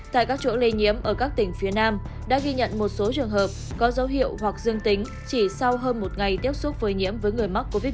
tại các chỗ lây nhiễm ở các tỉnh phía nam đã ghi nhận một số trường hợp có dấu hiệu hoặc dương tính chỉ sau hơn một ngày tiếp xúc với nhiễm với người mắc covid một mươi